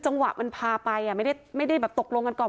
จังหวะมันภาไปไม่ได้ตกลงกันก่อน